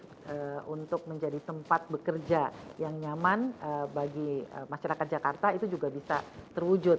untuk menjadi tempat bekerja yang nyaman bagi masyarakat jakarta itu juga bisa terwujud